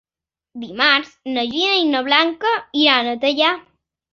Dimarts na Gina i na Blanca iran a Teià.